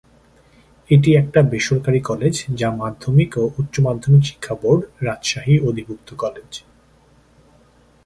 এটি একটা বেসরকারি কলেজ যা মাধ্যমিক ও উচ্চ মাধ্যমিক শিক্ষা বোর্ড, রাজশাহী অধিভুক্ত কলেজ।